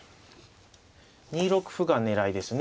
２六歩が狙いですね。